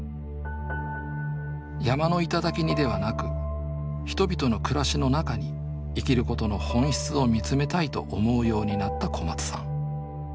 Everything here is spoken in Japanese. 山の頂にではなく人々の暮らしの中に生きることの本質をみつめたいと思うようになった小松さん。